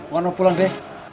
warna pulang deh